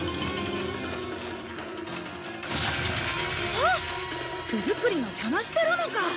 あっ巣作りの邪魔してるのか！